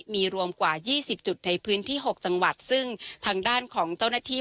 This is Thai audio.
มีรวมกว่ายี่สิบจุดในพื้นที่๖จังหวัดซึ่งทางด้านของเจ้าหน้าที่